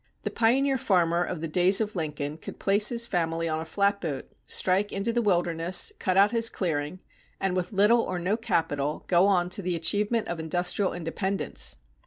The pioneer farmer of the days of Lincoln could place his family on a flatboat, strike into the wilderness, cut out his clearing, and with little or no capital go on to the achievement of industrial independence.